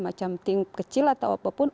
untuk membentuk semacam tim kecil atau apapun